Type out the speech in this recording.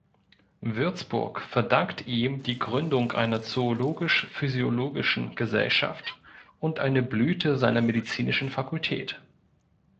Würzburg verdankt ihm die Gründung einer Zoologisch-Physiologischen Gesellschaft und eine Blüte seiner medizinischen Fakultät.